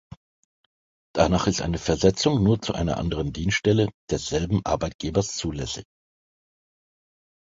Danach ist eine Versetzung nur zu einer anderen Dienststelle desselben Arbeitgebers zulässig.